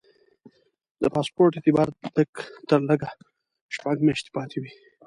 د پاسپورټ اعتبار باید لږ تر لږه شپږ میاشتې پاتې وي.